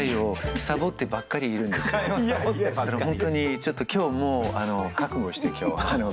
本当にちょっと今日もう覚悟して今日は。